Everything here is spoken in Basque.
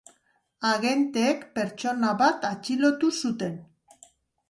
Agenteek pertsona bat atxilotu zuten.